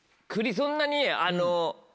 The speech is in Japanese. そんなにあの。